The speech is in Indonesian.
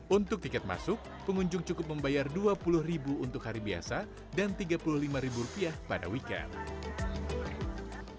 untuk tiket masuk pengunjung cukup membayar dua puluh untuk hari biasa dan rp tiga puluh lima pada weekend